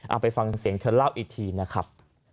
เอาไปฟังเสียงเธอเล่าอีกทีนะครับ